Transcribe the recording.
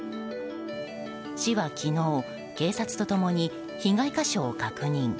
市は昨日、警察と共に被害箇所を確認。